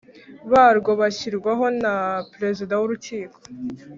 barwo bashyirwaho na Perezida w Urukiko